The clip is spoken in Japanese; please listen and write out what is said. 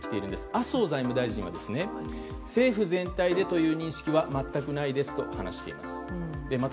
麻生財務大臣は政府全体でという認識は全くないですと話しています。